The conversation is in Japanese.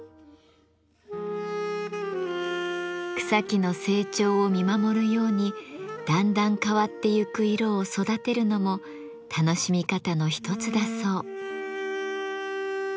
草木の成長を見守るようにだんだん変わってゆく色を育てるのも楽しみ方の一つだそう。